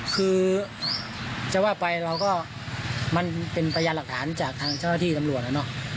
คือจะว่าไปเราก็มันเป็นพยานหลักฐานจากทางเจ้าหน้าที่ตำรวจแล้วเนอะ